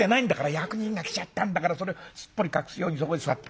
「役人が来ちゃったんだからそれをすっぽり隠すようにそこに座って」。